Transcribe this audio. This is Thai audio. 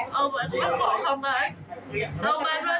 เอามันมาโดนพ่อเพื่อนหนูรู้ว่าฉัน